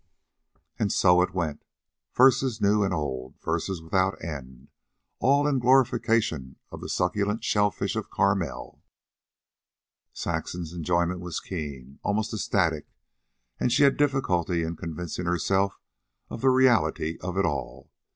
And so it went, verses new and old, verses without end, all in glorification of the succulent shellfish of Carmel. Saxon's enjoyment was keen, almost ecstatic, and she had difficulty in convincing herself of the reality of it all.